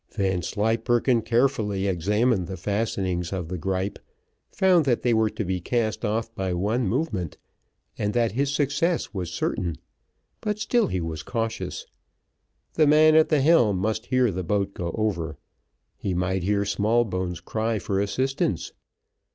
Vanslyperken carefully examined the fastenings of the gripe, found that they were to be cast off by one movement, and that his success was certain; but still he was cautious. The man at the helm must hear the boat go over; he might hear Smallbones' cry for assistance.